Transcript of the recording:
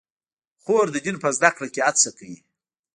خور د دین په زده کړه کې هڅه کوي.